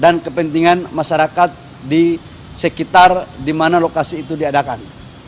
dan kepentingan masyarakat di sekitar dimana lokasi itu diadakan